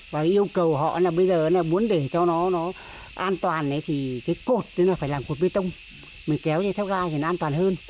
và yêu cầu họ là bây giờ muốn để cho nó an toàn thì cái cột phải làm cột bê tông mình kéo theo ra thì an toàn hơn